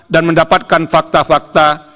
dan mendapatkan fakta fakta